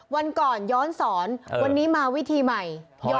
วันก่อนย้อนสอนวันนี้มาวิธีใหม่